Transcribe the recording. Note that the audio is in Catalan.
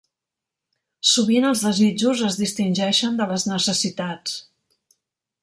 Sovint els desitjos es distingeixen de les necessitats.